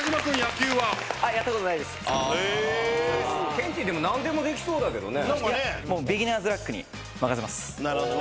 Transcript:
ケンティーでも何でもできそうだけどね。